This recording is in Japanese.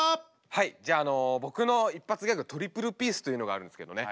はいじゃああの僕の一発ギャグトリプルピースというのがあるんですけどね